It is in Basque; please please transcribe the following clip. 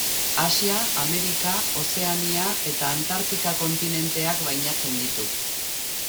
Asia, Amerika, Ozeania eta Antartika kontinenteak bainatzen ditu.